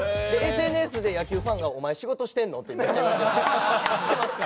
ＳＮＳで野球ファンがお前仕事してんの？ってめっちゃ言われるんですよ。